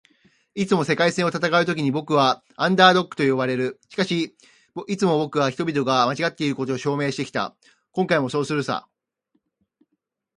「いつも“世界戦”を戦うときに僕は『アンダードッグ』と呼ばれる。しかし、いつも僕は人々が間違っていることを証明してきた。今回もそうするさ」